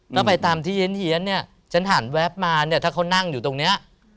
แล้วไปตามที่เฮียนนี่ฉันหันแวบมาถ้าเขานั่งอยู่ตรงนี้